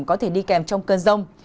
có thể đi kèm trong cơn rông